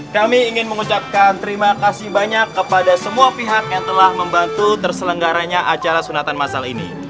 kami ingin mengucapkan terima kasih banyak kepada semua pihak yang telah membantu terselenggaranya acara sunatan masal ini